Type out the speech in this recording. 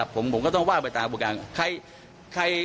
ผมก็ต้องว่าไปตามกับบวกการ